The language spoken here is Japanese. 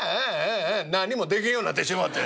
何にもでけんようになってしもてんな。